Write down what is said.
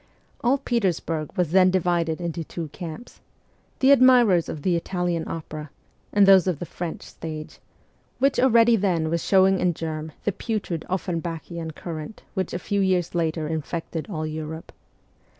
'All Petersburg ' was then divided into two camps: the admirers of the Italian opera and those of the French stage, which already then was showing in germ the putrid Offenbachian current which a few years later infected all Europe.